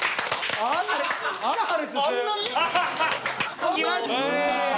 あんなに？